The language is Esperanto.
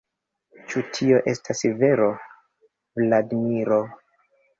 Ĉu tio estas vero, Vladimiro?